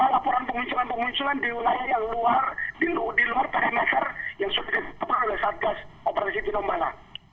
di luar pariwisata yang sudah disampaikan oleh satgas operasi tinombala